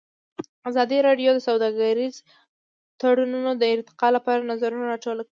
ازادي راډیو د سوداګریز تړونونه د ارتقا لپاره نظرونه راټول کړي.